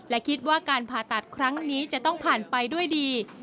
และคิดว่าการผ่าตัดครั้งนี้จะต้องผ่านไปด้วยดี